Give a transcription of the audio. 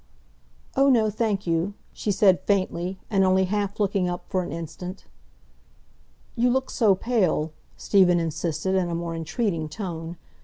"Oh no, thank you," she said faintly, and only half looking up for an instant. "You look so pale," Stephen insisted, in a more entreating tone.